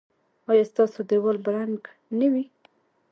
ایا ستاسو دیوال به رنګ نه وي؟